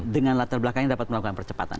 dengan latar belakangnya dapat melakukan percepatan